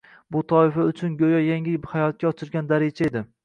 bu toifa uchun go‘yo yangi hayotga ochilgan daricha edi